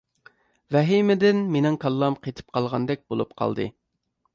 ۋەھىمىدىن مېنىڭ كاللام قېتىپ قالغاندەك بولۇپ قالدى.